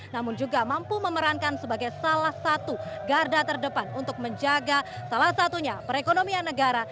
namun juga mampu memerankan sebagai salah satu garda terdepan untuk menjaga salah satunya perekonomian negara